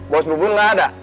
bos bubun nggak ada